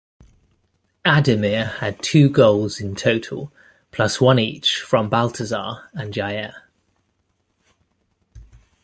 Ademir had two goals in total, plus one each from Baltasar and Jair.